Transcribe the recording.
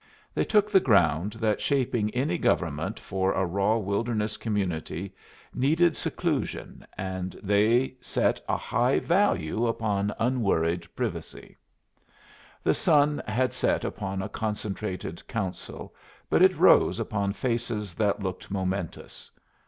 They took the ground that shaping any government for a raw wilderness community needed seclusion, and they set a high value upon unworried privacy. The sun had set upon a concentrated Council, but it rose upon faces that looked momentous.